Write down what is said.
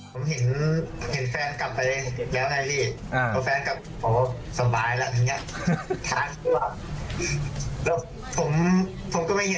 ผมเห็นแฟนกลับไปแล้วนะพี่